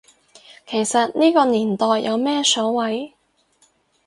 其實呢個年代有咩所謂